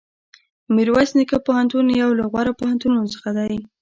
میرویس نیکه پوهنتون یو له غوره پوهنتونونو څخه دی.